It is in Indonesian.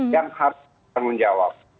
yang harus bertanggung jawab